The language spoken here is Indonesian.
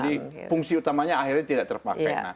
jadi fungsi utamanya akhirnya tidak terpakai